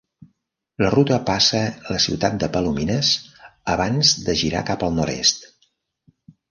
La ruta passa la ciutat de Palominas abans de girar cap al nord-est.